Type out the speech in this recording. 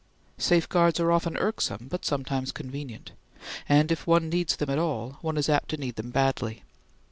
Safeguards are often irksome, but sometimes convenient, and if one needs them at all, one is apt to need them badly.